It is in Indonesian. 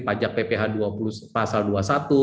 pajak pph dua puluh pasal dua puluh satu pph final untuk